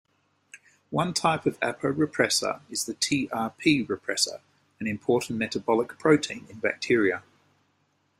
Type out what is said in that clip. One type of aporepressor is the trp repressor, an important metabolic protein in bacteria.